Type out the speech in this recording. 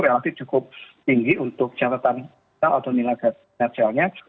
relatif cukup tinggi untuk catatan atau nilai netselnya